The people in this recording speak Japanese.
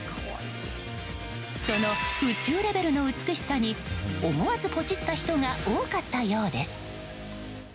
その宇宙レベルの美しさに思わずポチった人が多かったようです。